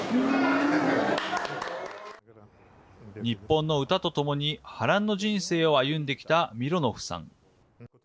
日本の歌とともに波乱の人生を歩んできたミロノフさん。